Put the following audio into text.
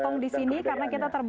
itu harus setara